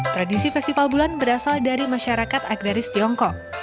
tradisi festival bulan berasal dari masyarakat agraris tiongkok